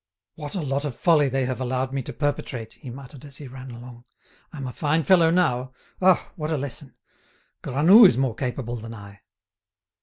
"What a lot of folly they have allowed me to perpetrate," he muttered as he ran along. "I'm a fine fellow now. Ah! what a lesson! Granoux is more capable than I."